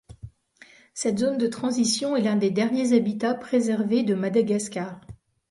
Cette zone de transition est l'un des derniers habitat préservé de Madagascar.